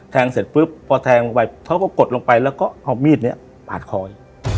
เสร็จปุ๊บพอแทงลงไปเขาก็กดลงไปแล้วก็เอามีดนี้ปาดคออีก